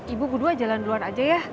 ibu bu dua jalan duluan aja ya